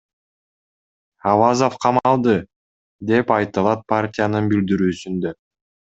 Авазов камалды, — деп айтылат партиянын билдирүүсүндө.